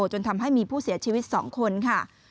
จนทำให้มีผู้เสียชีวิต๒คนค่ะ